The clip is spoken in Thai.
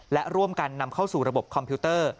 และร่วมกันนำเข้าสู่ระบบคอมพิวเตอร์